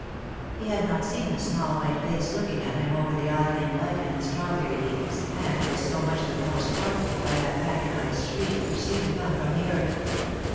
He had not seen the small white face looking at him over the ivy and lichen and strawberry leaves, and was so much the more startled by that agonised shriek, which seemed to come from the earth.